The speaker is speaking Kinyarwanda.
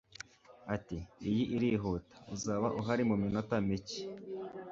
ati iyi irihuta. uzaba uhari mu minota mike